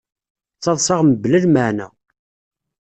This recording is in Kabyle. Ttaḍṣaɣ mebla lmeεna.